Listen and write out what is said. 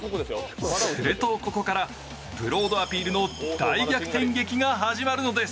すると、ここからブロードアピールの大逆転劇が始まるのです。